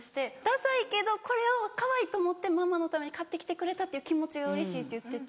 ダサいけどこれをかわいいと思ってママのために買って来てくれたっていう気持ちがうれしいって言ってて。